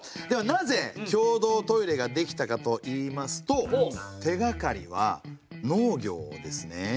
ではなぜ共同トイレができたかといいますと手がかりは農業ですね。